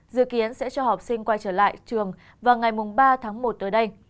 dự kiến sẽ cho học sinh quay trở lại trường vào ngày ba tháng một tới đây